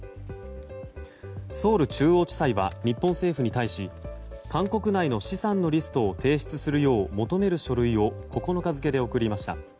ソウル中央地裁は日本政府に対し韓国内の資産のリストを提出するよう求める書類を９日付で送りました。